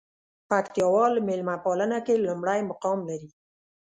پکتياوال ميلمه پالنه کې لومړى مقام لري.